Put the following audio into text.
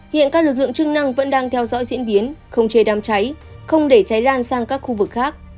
hiện các lực lượng chức năng vẫn đang theo dõi diễn biến không chế đám cháy không để cháy lan sang các khu vực khác